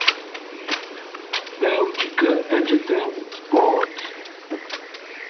Belgica Edegem Sport.